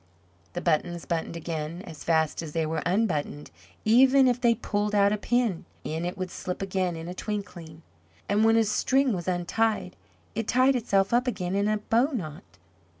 The buttons buttoned again as fast as they were unbuttoned; even if they pulled out a pin, in it would slip again in a twinkling; and when a string was untied it tied itself up again into a bowknot.